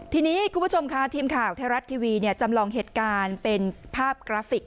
ทีนี้คุณผู้ชมค่ะทีมข่าวไทยรัฐทีวีจำลองเหตุการณ์เป็นภาพกราฟิก